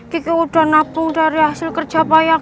kiki udah nabung dari hasil kerja payak